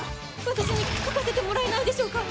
私に書かせてもらえないでしょうか？